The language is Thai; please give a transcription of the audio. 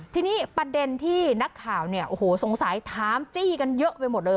ทีนี้ประเด็นที่นักข่าวเนี่ยโอ้โหสงสัยถามจี้กันเยอะไปหมดเลย